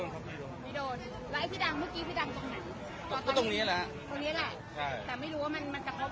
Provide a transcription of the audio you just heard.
น่าจะเหมือนกันน่าจะเหมือนกันตรงไหนตรงนี้ตรงนี้ตรงนี้